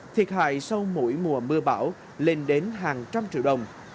thiệt hại sau mỗi mùa mưa bão lên đến hàng trăm triệu đồng